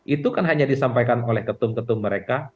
itu kan hanya disampaikan oleh ketum ketum mereka